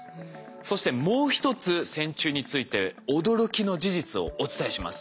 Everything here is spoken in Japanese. そしてもう一つ線虫について驚きの事実をお伝えします。